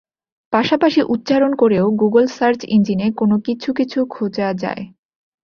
পাশাপাশি উচ্চারণ করেও গুগল সার্চ ইঞ্জিনে কোনো কিছু কিছু খোঁজা যায়।